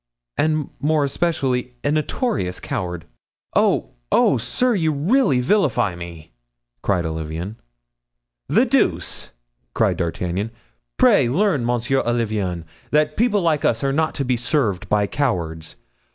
"And, more especially, a notorious coward." "Oh, oh! sir! you really vilify me!" cried Olivain. "The deuce!" cried D'Artagnan. "Pray learn, Monsieur Olivain, that people like us are not to be served by cowards.